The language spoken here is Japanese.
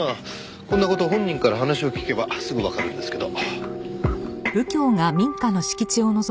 こんな事本人から話を聞けばすぐわかるんですけど。